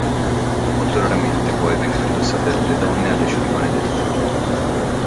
Molto raramente poi vengono indossate dalle donne alle cerimonie del tè.